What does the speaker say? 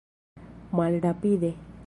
malrapide